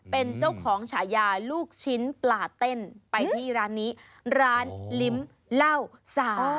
เป็นเจ้าของฉายาลูกชิ้นปลาเต้นไปที่ร้านนี้ร้านลิ้มเหล้าสา